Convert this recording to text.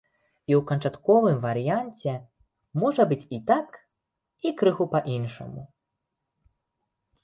І ў канчатковым варыянце можа быць і так, і крыху па-іншаму.